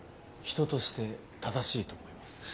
人として正しいと思います。